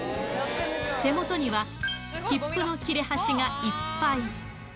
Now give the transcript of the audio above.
手元には、切符の切れ端がいっぱい。